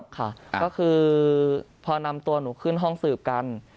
ค่ะก็คือพอนำตัวหนูขึ้นห้องสืบกัน